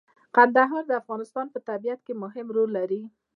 کندهار د افغانستان په طبیعت کې مهم رول لري.